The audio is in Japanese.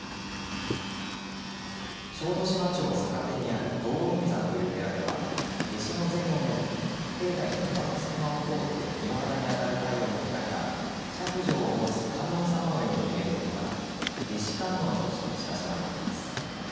小豆島町坂手にある洞雲山という寺では夏至の前後の時期に境内の岩の隙間を通って岩肌に当たる太陽の光がしゃくじょうを持つ観音様のように見えることから夏至観音として親しまれています。